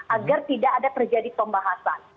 agar tidak ada terjadi pembahasan